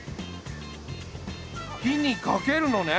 火にかけるのね。